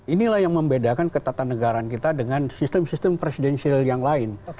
inilah yang membedakan ketatanegaraan kita dengan sistem sistem presidensial yang lain